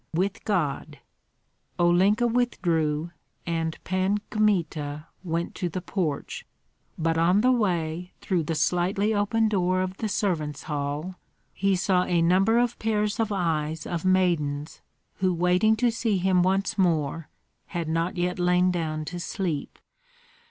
"With God." Olenka withdrew, and Pan Kmita went to the porch. But on the way, through the slightly open door of the servants' hall he saw a number of pairs of eyes of maidens who waiting to see him once more had not yet lain down to sleep.